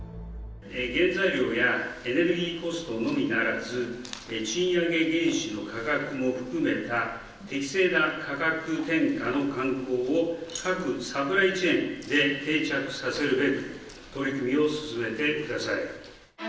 原材料やエネルギーコストのみならず、賃上げ原資の価格も含めた適正な価格転嫁の慣行を各サプライチェーンで定着させるべく、取り組みを進めてください。